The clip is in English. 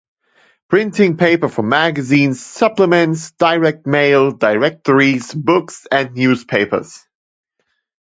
Printing paper for magazines, supplements, direct mail, directories, books and newspapers.